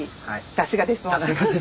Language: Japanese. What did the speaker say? だしが出て。